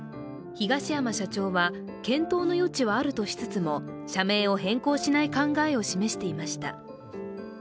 東山社長は検討の余地はあるとしつつも社名を変更しない考えを示していました。